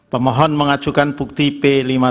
pemohon mengajukan bukti p lima puluh tujuh